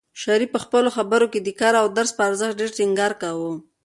شریف په خپلو خبرو کې د کار او درس په ارزښت ډېر ټینګار کاوه.